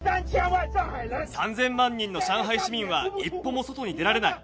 ３０００万人の上海市民は一歩も外に出られない。